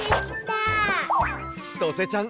ちとせちゃん